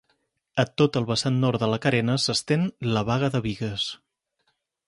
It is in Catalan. A tot el vessant nord de la carena s'estén la Baga de Bigues.